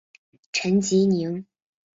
陈吉宁。